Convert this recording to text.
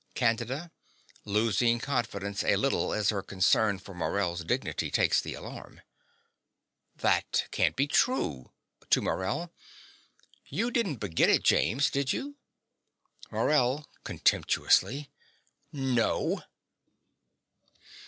CANDIDA (losing confidence a little as her concern for Morell's dignity takes the alarm). That can't be true. (To Morell.) You didn't begin it, James, did you? MORELL (contemptuously). No.